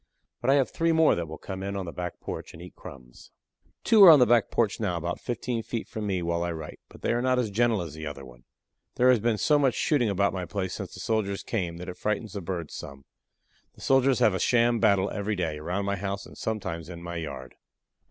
But I have three more that will come in on the back porch and eat crumbs. Two are on the back porch now about fifteen feet from me while I write, but they are not as gentle as the other one. There has been so much shooting about my place since the soldiers came that it frightens the birds some. The soldiers have a sham battle every day, around my house and sometimes in my yard.